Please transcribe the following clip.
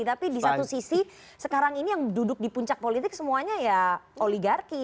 tapi di satu sisi sekarang ini yang duduk di puncak politik semuanya ya oligarki